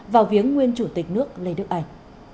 vào viếng nguyên chủ tịch nước lê đức anh